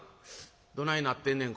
「どないなってんねん